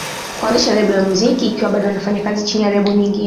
kuanzisha lebo ya muziki ikiwa bado anafanya kazi chini ya lebo nyingine